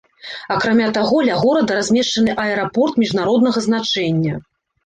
Акрамя таго, ля горада размешчаны аэрапорт міжнароднага значэння.